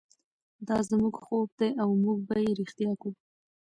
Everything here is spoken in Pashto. دا زموږ خوب دی او موږ به یې ریښتیا کړو.